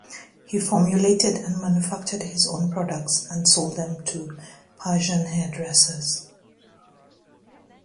He formulated and manufactured his own products, and sold them to Parisian hairdressers.